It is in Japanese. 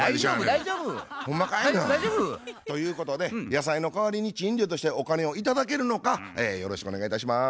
大丈夫大丈夫。ということで野菜の代わりに賃料としてお金を頂けるのかよろしくお願いいたします。